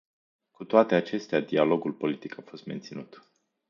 Cu toate acestea, dialogul politic a fost menținut.